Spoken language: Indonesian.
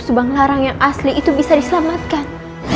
subanglarang yang asli itu bisa diselamatkan